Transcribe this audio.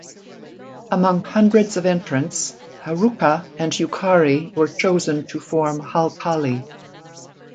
Among hundreds of entrants, Haruka and Yukari were chosen to form Halcali.